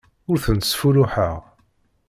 Ur tent-sfulluḥeɣ.